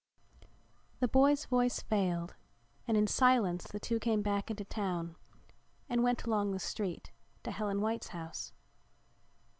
The boy's voice failed and in silence the two came back into town and went along the street to Helen White's house.